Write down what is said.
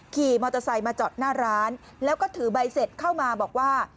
ขี่มอเตอร์ไซค์มาจอดหน้าร้านแล้วก็ถือใบเสร็จเข้ามาบอกว่า